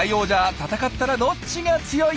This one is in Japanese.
戦ったらどっちが強い？